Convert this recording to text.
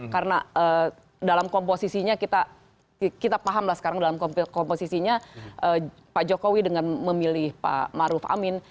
karena dalam komposisinya kita pahamlah sekarang dalam komposisinya pak jokowi dengan memilih pak maruf amin